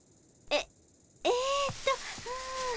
えっえっと。